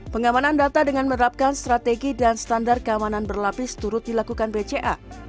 pengamanan data dengan menerapkan strategi dan standar keamanan berlapis turut dilakukan bca